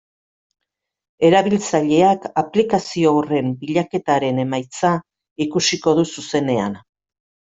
Erabiltzaileak aplikazio horren bilaketaren emaitza ikusiko du zuzenean.